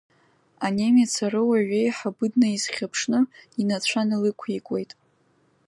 Анемец аруаҩиеиҳабыднаизхьаԥшны, инацәа налықәикуеит.